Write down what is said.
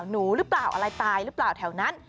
หนูหรือเปล่าอะไรตายหรือเปล่าแถวนั้น